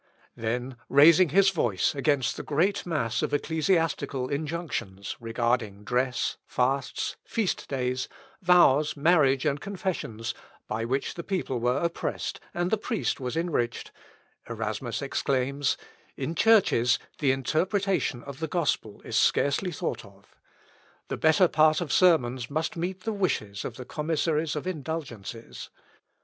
Then raising his voice against the great mass of ecclesiastical injunctions, regarding dress, fasts, feast days, vows, marriage, and confessions, by which the people were oppressed, and the priest was enriched, Erasmus exclaims, "In churches, the interpretation of the gospel is scarcely thought of. The better part of sermons must meet the wishes of the commissaries of indulgences.